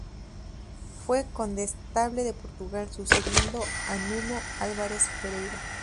Fue condestable de Portugal, sucediendo a Nuno Álvares Pereira.